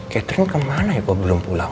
catherine kemana ya kalau belum pulang